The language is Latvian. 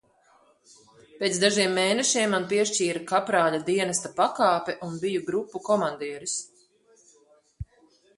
Pēc dažiem mēnešiem man piešķīra kaprāļa dienesta pakāpi un biju grupas komandieris.